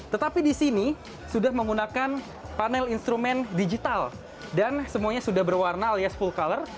tetapi di sini sudah menggunakan panel instrumen digital dan semuanya sudah berwarna alias full color